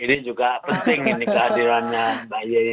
ini juga penting ini kehadirannya mbak yeni